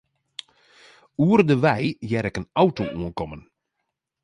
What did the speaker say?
Oer de wei hear ik in auto oankommen.